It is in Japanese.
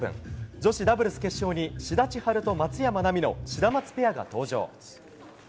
女子ダブルス決勝に志田千陽と松山奈未のシダマツペアが登場。